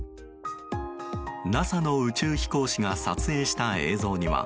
ＮＡＳＡの宇宙飛行士が撮影した映像には